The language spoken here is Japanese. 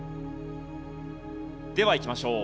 ではいきましょう。